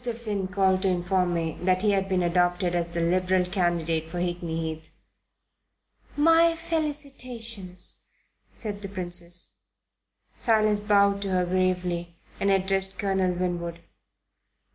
Finn called to inform me that he has been adopted as the Liberal candidate for Hickney Heath."' "My felicitations," said the Princess. Silas bowed to her gravely and addressed Colonel Winwood.